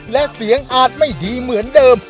และเสียงอาจไม่ดีเหมือนเดิม